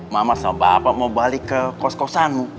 mama sama bapak mau balik ke kos kosanmu